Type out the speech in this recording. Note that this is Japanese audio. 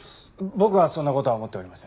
僕はそんな事は思っておりません。